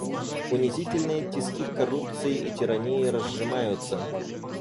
Унизительные тиски коррупции и тирании разжимаются.